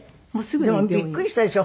でもびっくりしたでしょ？